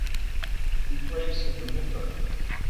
He plays in the hooker.